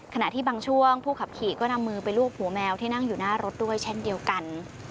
ขณะที่บางช่วงผู้ขับขี่ก็นำมือไปลูบหัวแมวที่นั่งอยู่หน้ารถด้วยเช่นเดียวกัน